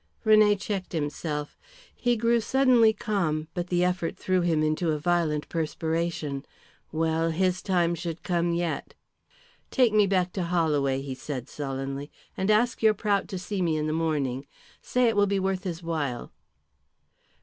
René checked himself. He grew suddenly calm, but the effort threw him into a violent perspiration. Well, his time should come yet. "Take me back to Holloway," he said, sullenly, "and ask your Prout to see me in the morning. Say it will be worth his while."